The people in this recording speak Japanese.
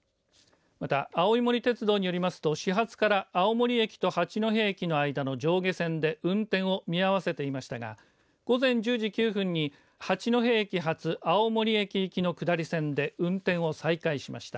また、青い森鉄道によりますと始発から青森駅と八戸駅の間の上下線で運転を見合わせていましたが午前１０時９分に八戸駅発青森駅行きの下り線で運転を再開しました。